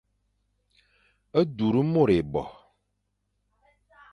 Du môr ébo.